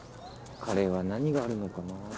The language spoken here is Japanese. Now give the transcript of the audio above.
カレーは何があるのかな。